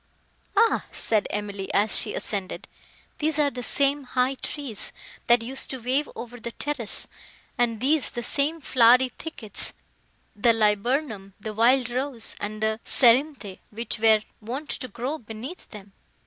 "Ah!" said Emily, as she ascended, "these are the same high trees, that used to wave over the terrace, and these the same flowery thickets—the liburnum, the wild rose, and the cerinthe—which were wont to grow beneath them!